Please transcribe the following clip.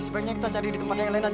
sebaiknya kita cari di tempat yang lain